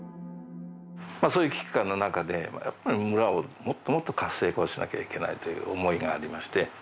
そういう危機感の中でやっぱり村をもっともっと活性化をしなきゃいけないという思いがありまして。